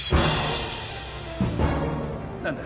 何だ？